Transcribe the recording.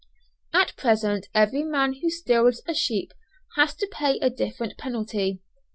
At present every man who steals a sheep has to pay a different penalty.